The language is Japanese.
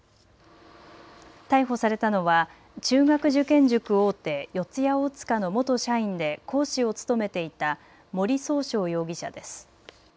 逮捕されたのは中学受験塾大手、四谷大塚の元社員で講師を務めていた森崇翔容疑者です。